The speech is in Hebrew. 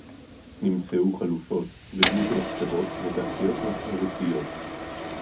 נמצאו חלופות בדמות המתפרות ותעשיות מסורתיות